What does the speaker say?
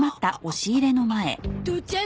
父ちゃん